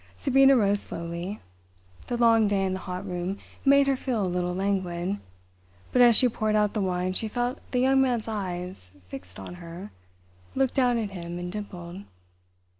Sabina rose slowly. The long day and the hot room made her feel a little languid, but as she poured out the wine she felt the Young Man's eyes fixed on her, looked down at him and dimpled.